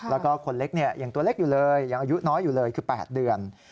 แล้วก็คนเล็กยังตัวเล็กอยู่เลยยังอายุน้อยอยู่เลยคือ๘เดือน